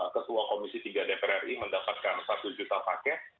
ketua komisi tiga dpr ri mendapatkan satu juta paket